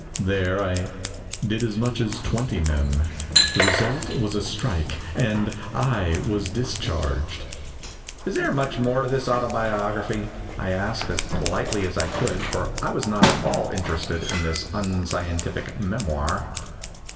There I did as much as twenty men. The result was a strike, and I was discharged." " Is there much more autobiography?" I asked as politely as I could, for I \vas not at all interested in this unscientific memoir.